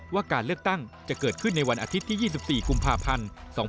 ว่าการเลือกตั้งจะเกิดขึ้นในวันอาทิตย์ที่๒๔กุมภาพันธ์๒๕๖๒